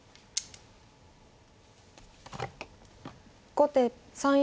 後手３四